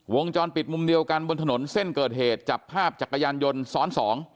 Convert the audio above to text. วงจรปิดมุมเดียวกันบนถนนเส้นเกิดเหตุจับภาพจักรยานยนต์ซ้อน๒